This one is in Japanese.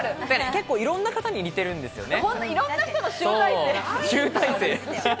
結構いろんな方に似てるんですよね。